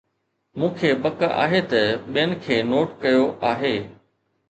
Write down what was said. مون کي پڪ آهي ته ٻين کي نوٽ ڪيو آهي